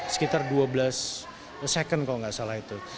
sekitar dua belas second kalau nggak salah itu